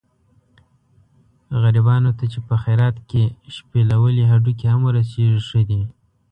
غریبانو ته چې په خیرات کې شپېلولي هډوکي هم ورسېږي ښه دي.